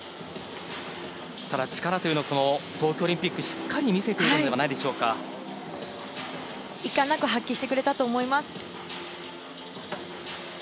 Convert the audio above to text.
ただ、力というのは東京オリンピックでしっかり見せているんでは遺憾なく発揮してくれたと思います。